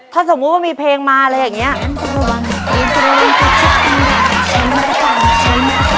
ถ้าสมมุติว่ามีเพลงมาอะไรอย่างนี้